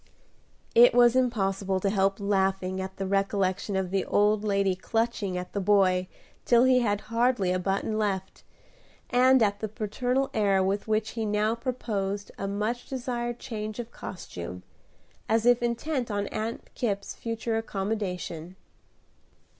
It was impossible to help laughing at the recollection of the old lady clutching at the boy till he had hardly a button left, and at the paternal air with which he now proposed a much desired change of costume, as if intent on Aunt Kipp's future accommodation.